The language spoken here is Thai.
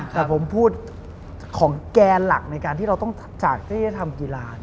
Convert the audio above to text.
แต่ผมพูดของแกนหลักในการที่เราต้องจากที่จะทำกีฬา